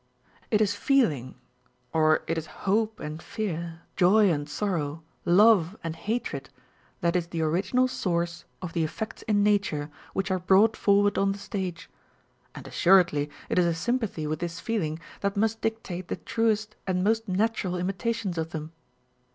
It is feeling, or it is hope and fear, joy and sorrow, love and hatred, that is the original source of the effects in nature which are brought forward on the stage; and assuredly it is a sympathy with this feeling that must dictate the truest and most natural imitations of them.